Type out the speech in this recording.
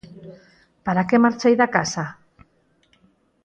Para que marchei da casa?